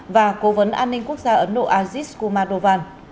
và cố vấn an ninh quốc gia ấn độ aziz kumadovan